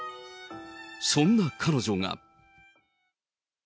そんな彼女が。